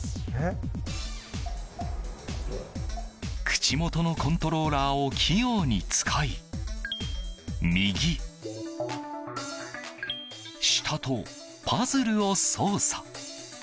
口元のコントローラーを器用に使い右、下とパズルを操作。